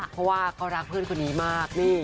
เพราะว่าก็รักเพื่อนเขาน้อยมากนี่